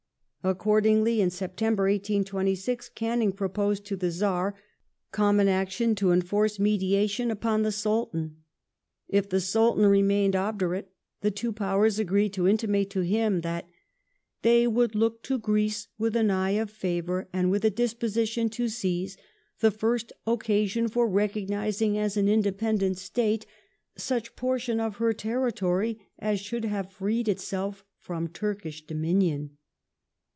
Accordingly in September, 1826, Canning proposed to the Czar common action to enforce mediation upon the Sultan. If the Sultan remained obdurate, the two Powers agreed to intimate to him that " they would look to Greece with an eye of favour, and with a disposition to seize the first occasion of recognizing as an independent State such portion of her territory as should have freed itself from Turkish dominion